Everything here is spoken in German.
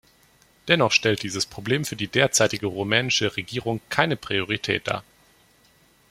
Dennoch stellt dieses Problem für die derzeitige rumänische Regierung keine Priorität dar.